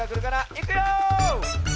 いくよ！